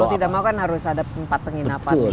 dan mau tidak mau kan harus ada tempat penginapan